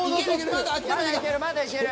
まだいけるまだいける。